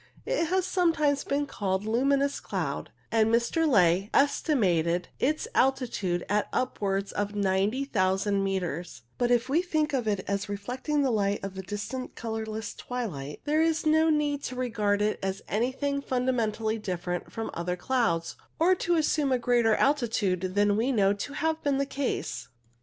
It has sometimes been called luminous cloud, and Mr. Ley esti mated its altitwde at upwards of 90,000 metres ; but if we think of it as reflecting the light of the distant colourless twilight there is no need to 32 CIRRUS regard it as anything fundamentally different from other clouds, or to assume a greater altitude than we know to have been the case.